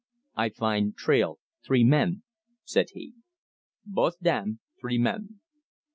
"I find trail three men," said he. "Both dam, three men.